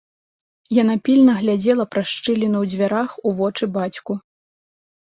Яна пільна глядзела праз шчыліну ў дзвярах у вочы бацьку.